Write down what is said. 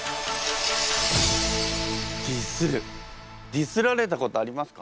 ディスられたことありますか？